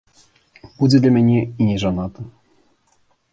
Будзе для мяне і нежанаты.